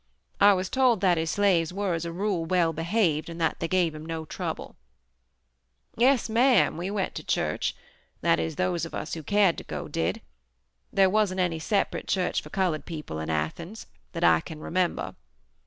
I was told that his slaves were, as a rule, well behaved and that they gave him no trouble. "Yes Mam, we went to church, that is, those of us who cared to go did. There wasn't any separate church for colored people in Athens, that I can remember.